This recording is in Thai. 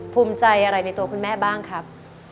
ภูมิใจอะไรในตัวคุณแม่บ้างครับ